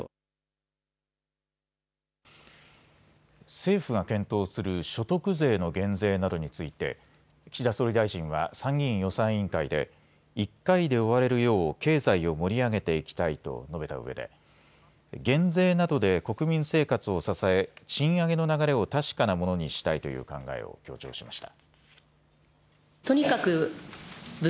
政府が検討する所得税の減税などについて岸田総理大臣は参議院予算委員会で１回で終われるよう経済を盛り上げていきたいと述べたうえで減税などで国民生活を支え賃上げの流れを確かなものにしたいという考えを強調しました。